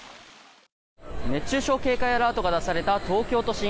熱中症警戒アラートが出された東京都心。